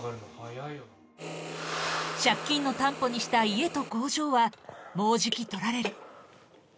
借金の担保にした家と工場はもうじき取られる。